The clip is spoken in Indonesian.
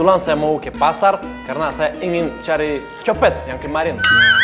kebetulan saya mau ke pasar karena saya ingin cari copet yang kemarin